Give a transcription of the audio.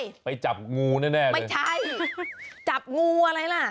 แล้วไปจับงูแน่ไม่ใช่จับงูอะไรนะ